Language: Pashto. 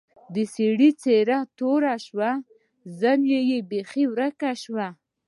د سړي څېره تروه شوه زنه بېخي ورکه شوه.